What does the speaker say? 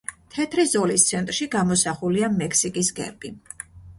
თეთრი ზოლის ცენტრში გამოსახულია მექსიკის გერბი.